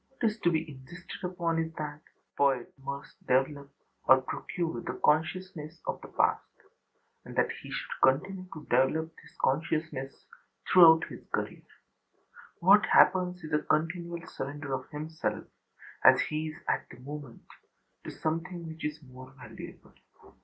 What is to be insisted upon is that the poet must develop or procure the consciousness of the past and that he should continue to develop this consciousness throughout his career. What happens is a continual surrender of himself as he is at the moment to something which is more valuable.